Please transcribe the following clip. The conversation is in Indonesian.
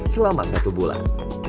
selama satu bulan